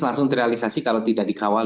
langsung terrealisasi kalau tidak dikawal